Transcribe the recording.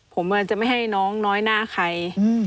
ผมจะไม่ให้น้องน้อยหน้าใคร